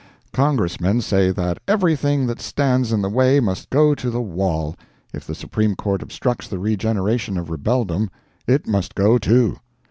Congressmen say that everything that stands in the way must go to the wall—if the Supreme Court obstructs the regeneration of rebeldom, it must go, too.